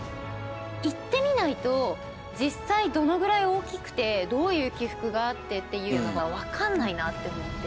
行ってみないと実際どのぐらい大きくてどういう起伏があってっていうのが分かんないなって思って。